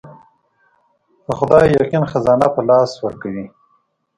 په خدای يقين خزانه په لاس ورکوي.